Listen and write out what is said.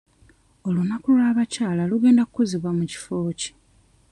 Olunaku lw'abakyala lugenda kukuzibwa mu kifo ki?